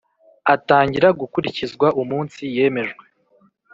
atangira gukurikizwa umunsi yemejwe